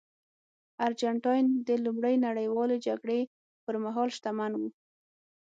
ارجنټاین د لومړۍ نړیوالې جګړې پرمهال شتمن هېواد و.